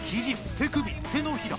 手首手のひら